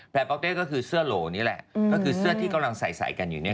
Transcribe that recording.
แฟระป๊อกเต้ก็คือเสื้อโหลนิล่ะก็คือเสื้อที่กำลังใส่กันอยู่นี่